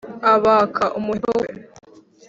abaka umuheto we,